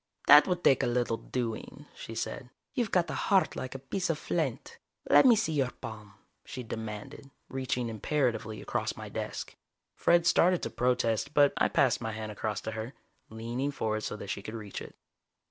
"That would take a little doing," she said. "You've got a heart like a piece of flint. Let me see your palm!" she demanded, reaching imperatively across my desk. Fred started to protest, but I passed my hand across to her, leaning forward so that she could reach it.